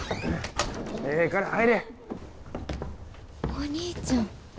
お兄ちゃん。